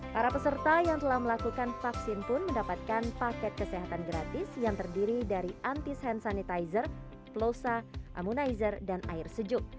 para peserta yang telah melakukan vaksin pun mendapatkan paket kesehatan gratis yang terdiri dari anti sand sanitizer plosa ammonizer dan air sejuk